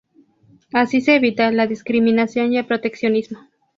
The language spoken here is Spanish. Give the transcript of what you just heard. Así se evita la discriminación y el proteccionismo.